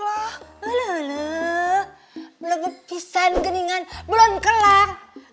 leluh blebep pisang geningan belum kelar